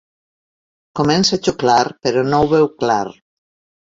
Comença a xuclar però no ho veu clar.